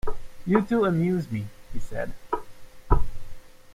"You two amuse me," he said.